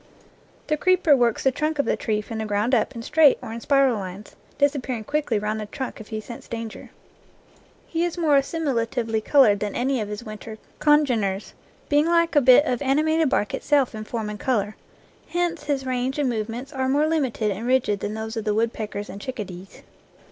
The creeper works the trunk of the tree from the ground up in straight or in spiral lines, disappearing quickly round the trunk if he scents danger. He is more assimilatively colored than any of his winter congeners, being like a bit of animated bark itself in form and color, hence his range and movements are more limited and rigid than those of the woodpeckers and chickadees.